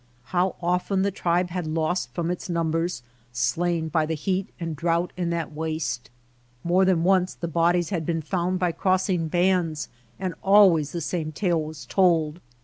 How often the tribe had lost from its numbers — slain by the heat and drought in that waste ! More than once the bodies had been found by crossing bands and always the same tale was told.